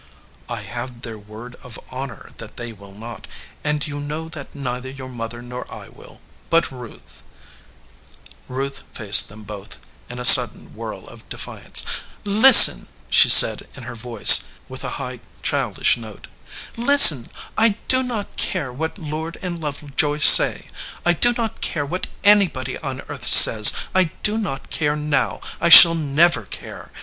"I have their word of honor that they will not, and you know that neither your mother nor I will, but Ruth " Ruth faced them both in a sudden whirl of defiance. "Listen," she said in her voice with the high, childish note "listen. I do not care what Lord & Lovejoy say; I do not care wkat anybody on earth says ; I do not care now ; I shall never care.